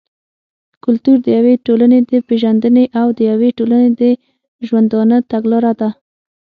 کلتور د يوې ټولني د پېژندني او د يوې ټولني د ژوندانه تګلاره ده.